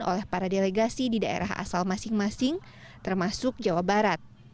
oleh para delegasi di daerah asal masing masing termasuk jawa barat